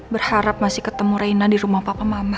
berharap masih ketemu raina di rumah papa mama